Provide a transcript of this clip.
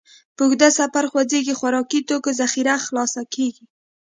په اوږده سفر خوځېږئ، خوراکي توکو ذخیره خلاصه کېږي.